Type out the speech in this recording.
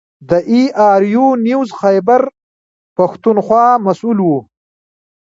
د اې ار یو نیوز خیبر پښتونخوا مسوول و.